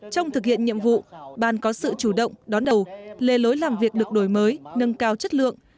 trong thực hiện nhiệm vụ ban có sự chủ động đón đầu lê lối làm việc được đổi mới nâng cao chất lượng